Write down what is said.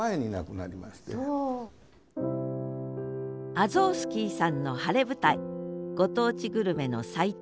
アゾースキーさんの晴れ舞台ご当地グルメの祭典